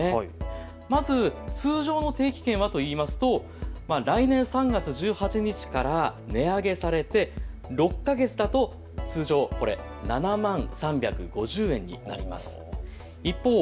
まず通常の定期券はといいますと来年３月１８日から値上げされて６か月だと通常７万３５０円になります。